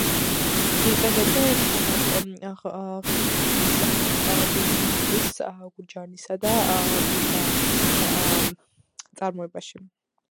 იყენებენ სამარკო ღვინოების „წინანდლის“, „გურჯაანისა“ და „ტიბაანის“ წარმოებაში.